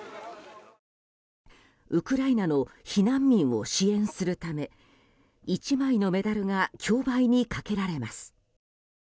ウクライナの避難民を支援するため１枚のメダルが競売にかけられます。